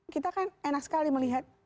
kita kan enak sekali melihat